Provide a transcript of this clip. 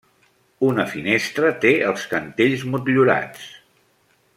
Una finestra té els cantells motllurats.